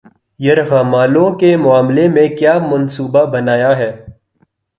یرغمالوں کے معاملے میں کیا منصوبہ بنایا ہے